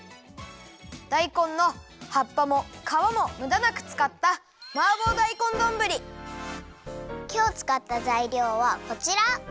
だいこんの葉っぱもかわもむだなくつかったきょうつかったざいりょうはこちら。